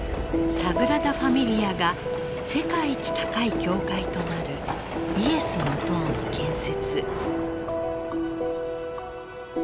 サグラダ・ファミリアが世界一高い教会となるイエスの塔の建設。